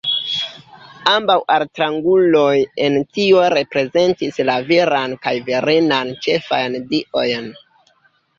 Ambaŭ altranguloj en tio reprezentis la viran kaj virinan ĉefajn diojn.